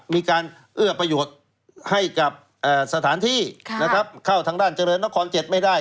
มีการเอื้อประโยชน์ให้กับสถานที่นะครับเข้าทางด้านเจริญนคร๗ไม่ได้